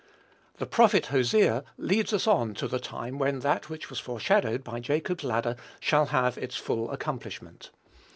The prophet Hosea leads us on to the time when that which was foreshadowed by Jacob's ladder shall have its full accomplishment.